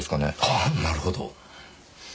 ああなるほど。